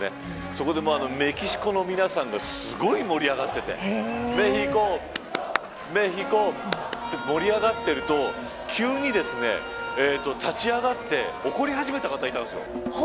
そこでメキシコの皆さんがすごい盛り上がっていて盛り上がっていると、急に立ち上がって怒り始めた方がいたんです。